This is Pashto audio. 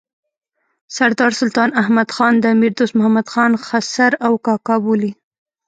سردار سلطان احمد خان د امیر دوست محمد خان خسر او کاکا بولي.